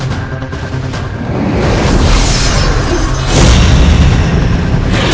kepalaku sakit sekali